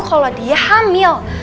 kalo dia hamil